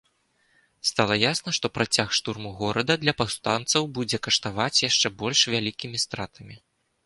Стала ясна, што працяг штурму горада для паўстанцаў будзе каштаваць яшчэ больш вялікімі стратамі.